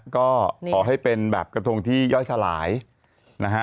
ก็ขอให้เป็นแบบกระทงที่ย่อยสลายนะฮะ